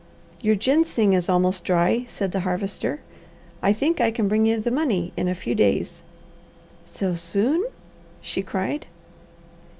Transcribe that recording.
"Your ginseng is almost dry," said the Harvester. "I think I can bring you the money in a few days." "So soon!" she cried.